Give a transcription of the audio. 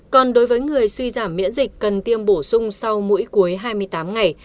còn đối với người suy giảm miễn dịch cần tiêm bổ sung sau mỗi cuối hai mươi tám ngày